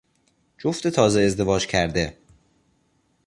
جفت تازه ازدواج کرده